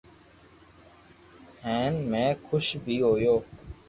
ھين ۾ خوݾ بي ھويو